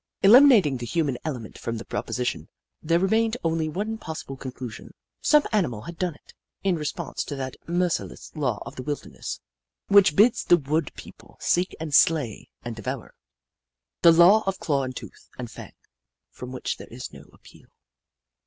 Eliminating the human element from the proposition, there remained only one possible conclusion. Some animal had done it, in re sponse to that merciless law of the wilderness, which bids the wood people seek and slay and devour ; the law of claw and tooth and fang, from which there is no appeal.